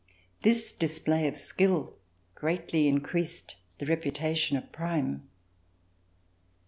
This display of skill greatly increased the reputation of Prime.